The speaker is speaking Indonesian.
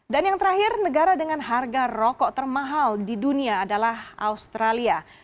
dan yang terakhir negara dengan harga rokok termahal di dunia adalah australia